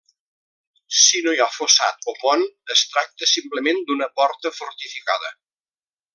Si no hi ha fossat o pont es tracta simplement d'una porta fortificada.